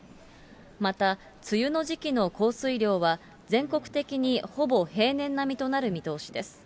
また、梅雨の時期の降水量は全国的にほぼ平年並みとなる見通しです。